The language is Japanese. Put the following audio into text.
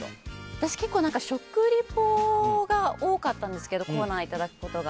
私、食リポが多かったんですけどコーナーいただくことが。